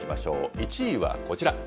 １位はこちら。